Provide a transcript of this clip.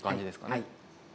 はい。